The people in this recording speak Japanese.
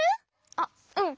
あっうん。